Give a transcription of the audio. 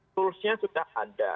tools nya sudah ada